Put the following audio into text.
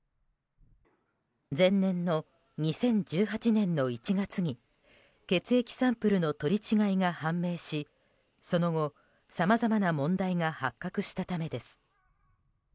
前年の２０１８年の１月に血液サンプルの取り違いが判明しその後、さまざまな問題が発覚したためです。